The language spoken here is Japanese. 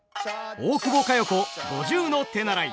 大久保佳代子五十の手習い。